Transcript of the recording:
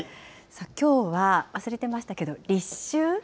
きょうは、忘れてましたけど、立秋？